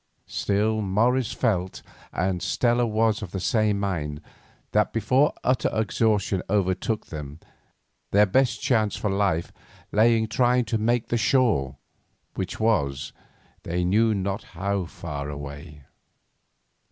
Still Morris felt, and Stella was of the same mind, that before utter exhaustion overtook them their best chance for life lay in trying to make the shore, which was, they knew not how far away.